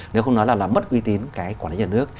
nếu không nói là mất uy tín cái quản lý nhà nước